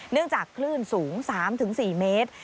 เนื่องจากคลื่นสูง๓๔เมตร